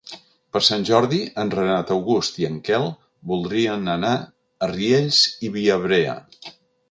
Per Sant Jordi en Renat August i en Quel voldrien anar a Riells i Viabrea.